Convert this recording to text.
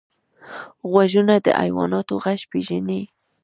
غوږونه د حیواناتو غږ پېژني